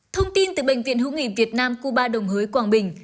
thông tin từ bệnh viện hữu nghị việt nam cuba đồng hới quảng bình